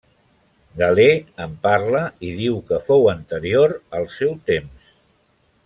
Galè en parla i diu que fou anterior al seu temps.